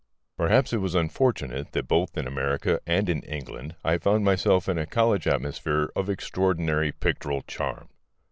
Perhaps it was unfortunate that both in America and in England I found myself in a college atmosphere of extraordinary pictorial charm.